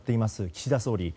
岸田総理。